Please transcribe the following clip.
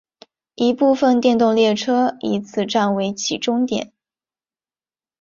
一部分电动列车以此站为起终点。